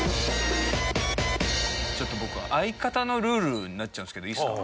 ちょっと僕相方のルールになっちゃうんですけどいいですか？